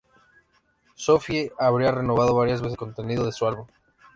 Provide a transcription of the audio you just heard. Sophie habría renovado varias veces el contenido de su álbum.